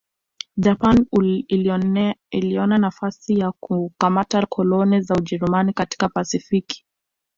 Japani iliona nafasi ya kukamata koloni za Ujerumani katika Pasifiki